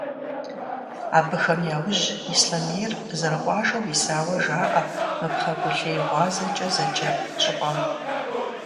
Абыхэм яужь Ислъэмейр зэрыкъуажэу исауэ жаӏэ мы «Пхъэгулъей гъуазэкӏэ» зэджэ щӏыпӏэм.